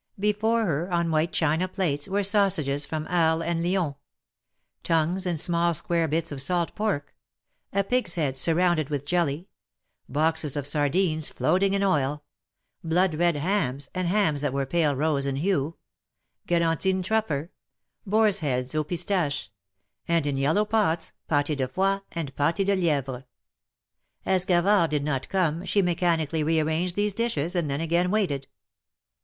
Before her, on white china plates, were sausages from Arles and Lyons; tongues, and small square bits of salt pork; a pig^s head, surrounded with jelly; boxes of sardines, floating in oil ; blood red hams, and hams that were pale rose in hue; galantine truffer; boars' heads aux pistaches; and in yellow pots, pat6 de foie and pat^ de li^vre. As Gavard did not come, she mechanically rearranged these dishes, and then again waited.